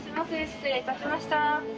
失礼いたしました。